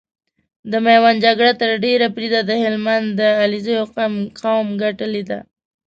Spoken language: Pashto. د ميوند جګړه تر ډېره بريده د هلمند د عليزو قوم ګټلې ده۔